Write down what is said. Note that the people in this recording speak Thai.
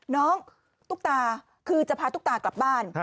ตุ๊กตาคือจะพาตุ๊กตากลับบ้าน